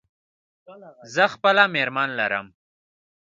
زه خپله مېرمن لرم.